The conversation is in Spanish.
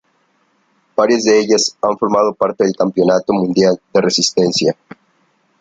Varias de ellas han formado parte del Campeonato Mundial de Resistencia.